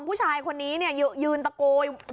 ผู้ชายคนนี้เนี่ยยืนตะโกน